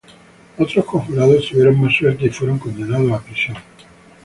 Otros conjurados tuvieron más suerte y fueron condenados a prisión.